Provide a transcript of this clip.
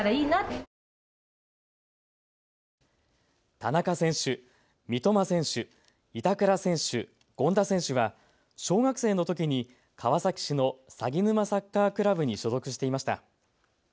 田中選手、三笘選手、板倉選手、権田選手は小学生のときに川崎市のさぎぬまサッカークラブに所属していました。